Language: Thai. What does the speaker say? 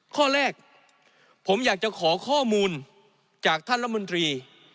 ข้อแรกผมอยากจะขอข้อมูลจากท่านรัฐมนตรี